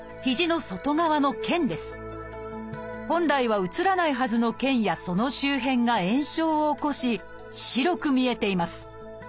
本来は写らないはずの腱やその周辺が炎症を起こし白く見えています。